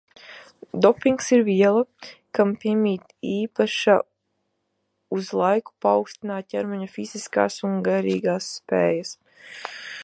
Dopings ir viela, kam piemīt īpašība uz laiku paaugstināt ķermeņa fiziskās un garīgās spējas.